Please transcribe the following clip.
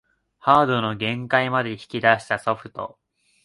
ハードの限界まで引き出したソフト